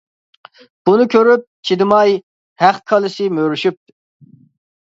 بۇنى كۆرۈپ چىدىماي، ھەق كالىسى مۆرىشىپ.